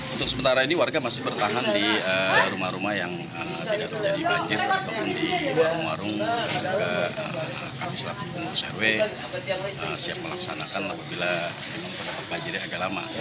untuk sementara ini warga masih bertahan di rumah rumah yang tidak terjadi banjir ataupun di warung warung yang juga kalicilabungan sarwe siap melaksanakan apabila dampak banjirnya agak lama